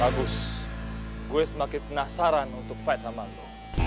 aku makin penasaran untuk fight sama lo